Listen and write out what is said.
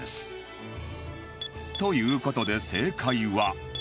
という事で正解は